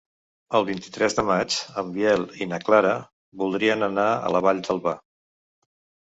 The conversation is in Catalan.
El vint-i-tres de maig en Biel i na Clara voldrien anar a la Vall d'Alba.